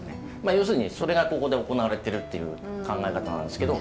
要するにそれがここで行われているっていう考え方なんですけど。